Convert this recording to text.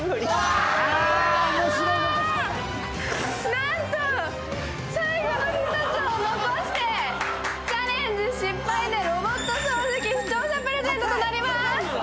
なんと、最後の１つを残してチャレンジ失敗でロボット掃除機、視聴者プレゼントとなります。